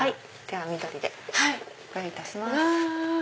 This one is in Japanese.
緑でご用意いたします。